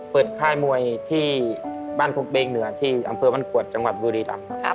เปิดค่ายมวยที่บ้านคุกเบงเหนือที่อำเภอบรรควรจังหวัดบุรีรัมป์